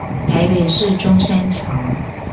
台北市中山橋